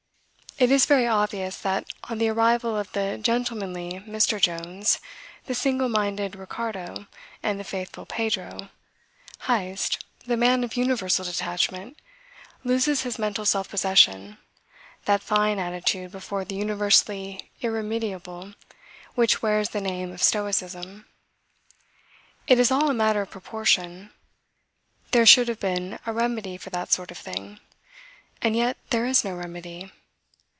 It is very obvious that on the arrival of the gentlemanly Mr. Jones, the single minded Ricardo, and the faithful Pedro, Heyst, the man of universal detachment, loses his mental self possession, that fine attitude before the universally irremediable which wears the name of stoicism. It is all a matter of proportion. There should have been a remedy for that sort of thing. And yet there is no remedy.